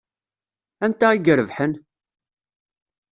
Anta i irebḥen?